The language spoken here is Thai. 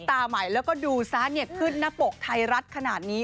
ใหม่แล้วก็ดูซ้าเน็ตขึ้นหน้าปกไทยรัฐขนาดนี้